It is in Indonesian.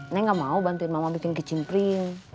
saya gak mau bantuin mama bikin kecing pring